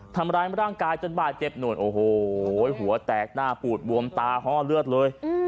ทำร้ายร่างกายจนบาดเจ็บหนวดโอ้โหหัวแตกหน้าปูดบวมตาห้อเลือดเลย